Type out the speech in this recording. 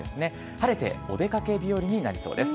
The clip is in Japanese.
晴れてお出かけ日和になりそうです。